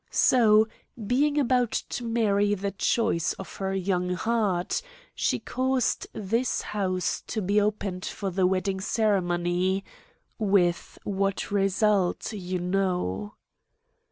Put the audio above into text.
So, being about to marry the choice of her young heart, she caused this house to be opened for the wedding ceremony; with what result, you know.